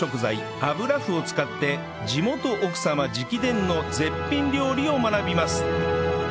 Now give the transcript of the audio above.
油麩を使って地元奥様直伝の絶品料理を学びます